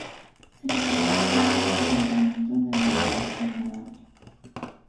Se localiza cerca del asentamiento de Bahía Agradable.